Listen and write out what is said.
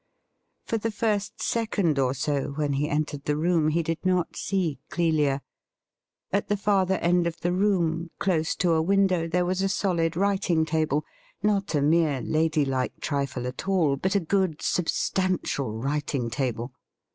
For the first second or so when he entered the room he did not see Clelia. At the farther end of the room, close to a window, there was a solid writing table — ^not a mere lady like trifle at all, but a good substantial writing table.